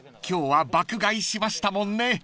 今日は爆買いしましたもんね］